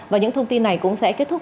và những thông tin này cũng sẽ kết thúc